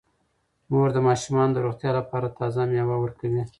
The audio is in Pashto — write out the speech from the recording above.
مور د ماشومانو د روغتیا لپاره تازه میوه ورکوي.